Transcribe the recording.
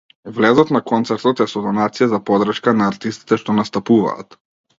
Влезот на концертот е со донација за поддршка на артистите што настапуваат.